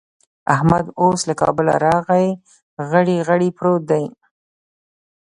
احمد اوس له کابله راغی؛ غړي غړي پروت دی.